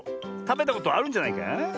たべたことあるんじゃないか？